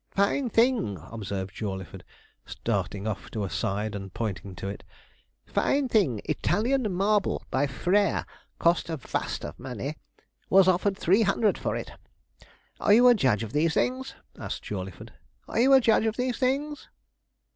'Fine thing,' observed Jawleyford, starting off to a side, and pointing to it; 'fine thing Italian marble by Frère cost a vast of money was offered three hundred for it. Are you a judge of these things?' asked Jawleyford; 'are you a judge of these things?'